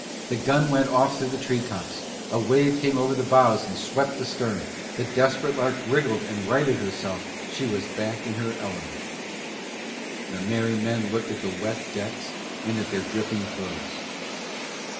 The gun went off through the tree tops, a wave came over the bows and swept the stern, the Desperate Lark wriggled and righted herself, she was back in her element. The merry men looked at the wet decks and at their dripping clothes.